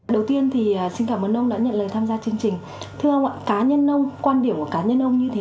đầu tiên thì xin cảm ơn ông đã nhận lời tham gia chương trình thưa ông ạ cá nhân ông quan điểm của cá nhân ông như thế